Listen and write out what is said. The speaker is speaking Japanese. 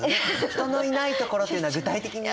人のいない所っていうのは具体的に？